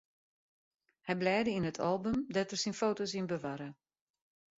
Hy blêde yn it album dêr't er syn foto's yn bewarre.